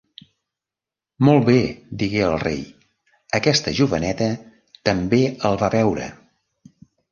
"Molt bé", digué el rei: "Aquesta joveneta també el va veure".